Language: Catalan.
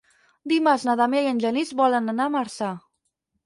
Dimarts na Damià i en Genís volen anar a Marçà.